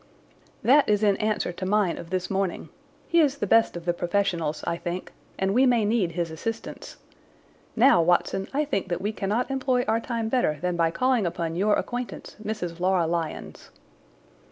"That is in answer to mine of this morning. He is the best of the professionals, I think, and we may need his assistance. Now, Watson, I think that we cannot employ our time better than by calling upon your acquaintance, Mrs. Laura Lyons."